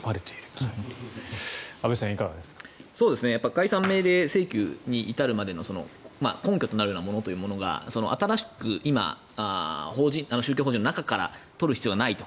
解散命令請求に至るまでの根拠となるようなものというのが新しく今宗教法人の中から取る必要はないと。